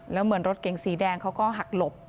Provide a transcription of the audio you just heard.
แล้วเหมือนรถเก๋งสีแดงเขาก็หักหลบ